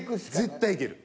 絶対いける。